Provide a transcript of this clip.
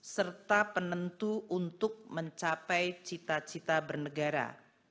serta penentu untuk mencapai cita cita bernegara